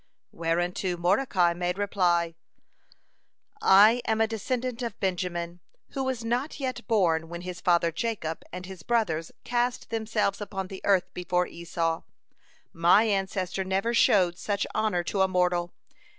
Whereunto Mordecai made reply: "I am a descendant of Benjamin, who was not yet born when his father Jacob and his brothers cast themselves upon the earth before Esau. My ancestor never showed such honor to a mortal.